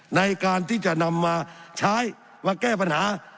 ในการที่จะนำมาใช้มาแก้ปัญหา